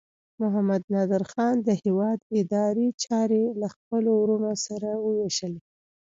محمد نادر خان د هیواد اداري چارې له خپلو وروڼو سره وویشلې.